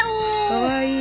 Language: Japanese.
かわいい。